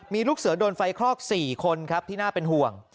มีลูกเสือโดนไฟคลอก๔คนครับที่น่าเป็นห่วง